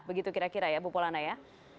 begitu kira kira ya bu polana ya